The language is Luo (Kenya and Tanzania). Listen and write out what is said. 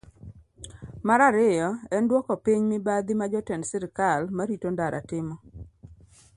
Mar ariyo, en dwoko piny mibadhi ma jotend sirkal ma rito ndara timo.